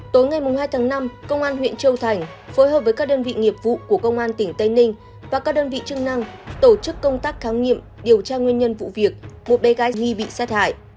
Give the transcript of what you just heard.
tối ngày hai tháng năm công an huyện châu thành phối hợp với các đơn vị nghiệp vụ của công an tỉnh tây ninh và các đơn vị chức năng tổ chức công tác khám nghiệm điều tra nguyên nhân vụ việc một bé gái nghi bị sát hại